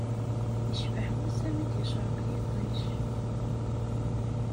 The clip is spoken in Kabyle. Yecbeḥ wassa mi d-yecreq yiṭij